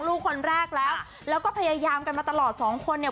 ลูกคนแรกแล้วแล้วก็พยายามกันมาตลอดสองคนเนี่ย